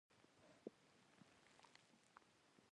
ازادي راډیو د بانکي نظام پرمختګ سنجولی.